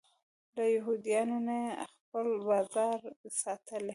له یهودیانو نه یې خپل بازار ساتلی.